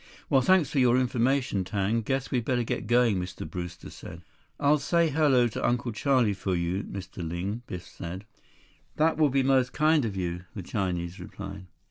"Well, thanks for your information, Tang. Guess we'd better be going," Mr. Brewster said. "I'll say hello to Uncle Charlie for you, Mr. Ling," Biff said. "That will be most kind of you," the Chinese replied.